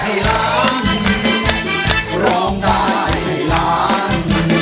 เพราะร้องได้ให้ล้าน